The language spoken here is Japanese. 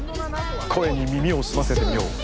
声に耳を澄ませてみよう。